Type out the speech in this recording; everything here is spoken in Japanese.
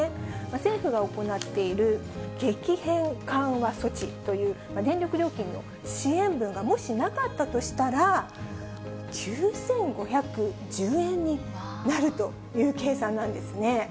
政府が行っている激変緩和措置という、電力料金の支援分がもしなかったとしたら、９５１０円になるという計算なんですね。